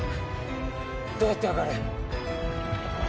どうやって上がる？